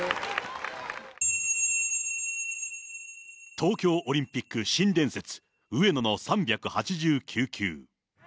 東京オリンピック新伝説、上野の３８９球。